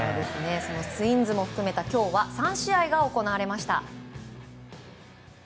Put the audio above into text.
そのツインズも含めた３試合が行われました。